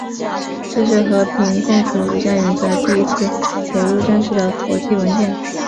这是和平共处五项原则第一次写入正式的国际文件。